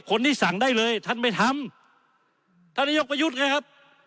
คนที่สั่งได้เลยท่านไม่ทำท่านนายกประยุทธ์ไงครับ